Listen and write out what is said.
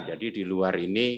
jadi di luar ini